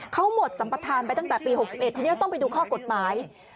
เขาหมดสัมปทานไปตั้งแต่ปี๖๑ทีนี้ต้องไปดูข้อกฎหมาย